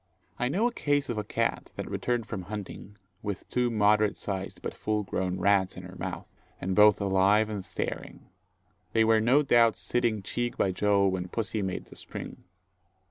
I know a case of a cat that returned from hunting, with two moderate sized but full grown rats in her mouth, and both alive and staring. They were no doubt sitting cheek by jowl when pussy made the spring.